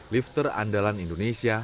lifter andalan indonesia